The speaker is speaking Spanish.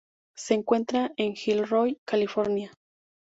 Se encuentra en Gilroy, California.